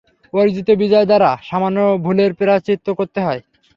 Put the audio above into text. অর্জিত বিজয় দ্বারা সামান্য ভুলের প্রায়শ্চিত্ত করতে হয়।